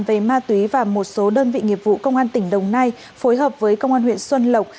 về ma túy và một số đơn vị nghiệp vụ công an tỉnh đồng nai phối hợp với công an huyện xuân lộc